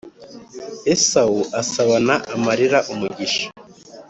Esawu asabana amarira umugisha